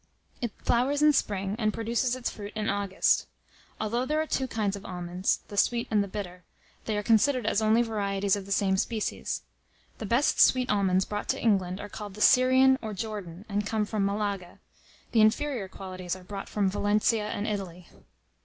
It flowers in spring, and produces its fruit in August. Although there are two kinds of almonds, the sweet and the bitter, they are considered as only varieties of the same species. The best sweet almonds brought to England, are called the Syrian or Jordan, and come from Malaga; the inferior qualities are brought from Valentia and Italy.